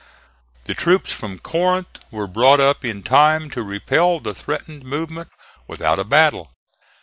The troops from Corinth were brought up in time to repel the threatened movement without a battle.